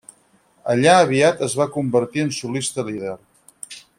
Allà aviat es va convertir en solista líder.